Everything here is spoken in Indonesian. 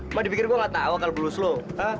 emang dipikir gue nggak tau kalau bulus lo ha